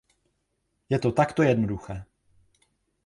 Je to takto jednoduché.